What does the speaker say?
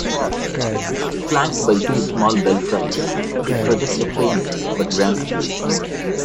Flanked by two small belfries, it projects a quaint but grand appeal.